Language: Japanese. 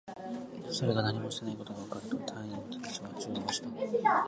それが何もしてこないことがわかると、隊員達は銃をおろした